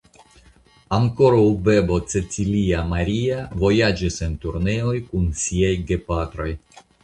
Ankoraŭ bebo Cecilia Maria vojaĝis en turneoj kun siaj gepatroj.